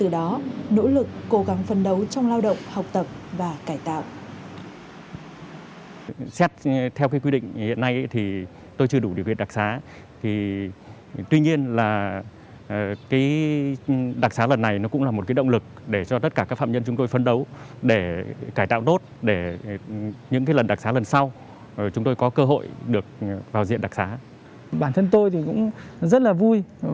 đồng thiện đã nhận ra sai lầm của mình từ đó nỗ lực cố gắng phân đấu trong lao động học tập và cải tạo